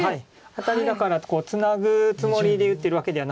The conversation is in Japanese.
アタリだからってこうツナぐつもりで打ってるわけではないです。